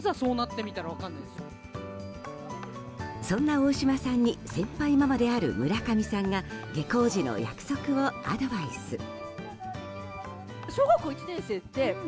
そんな大島さんに先輩ママである村上さんが下校時の約束をアドバイス。